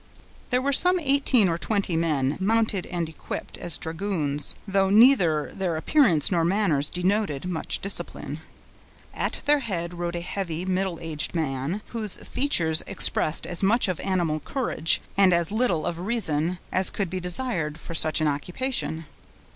There were some eighteen or twenty men, mounted and equipped as dragoons, though neither their appearance nor manners denoted much discipline. At their head rode a heavy, middle aged man, whose features expressed as much of animal courage, and as little of reason, as could be desired for such an occupation.